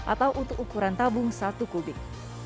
atau untuk ukuran tabung satu kubik